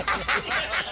ハハハハ！